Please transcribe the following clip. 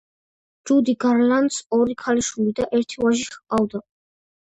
ჯუდი გარლანდს ორი ქალიშვილი და ერთი ვაჟი ჰყავდა.